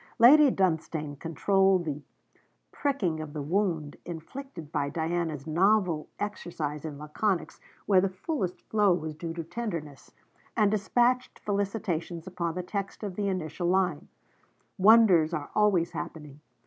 Lady Dunstane controlled the pricking of the wound inflicted by Diana's novel exercise in laconics where the fullest flow was due to tenderness, and despatched felicitations upon the text of the initial line: 'Wonders are always happening.'